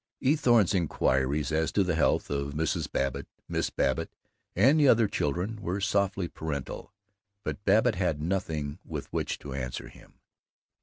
Eathorne's inquiries as to the healths of Mrs. Babbitt, Miss Babbitt, and the Other Children were softly paternal, but Babbitt had nothing with which to answer him.